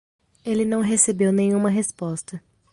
Ele não recebeu nenhuma resposta.